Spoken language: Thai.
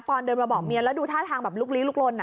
อนเดินมาบอกเมียแล้วดูท่าทางแบบลุกลี้ลุกลน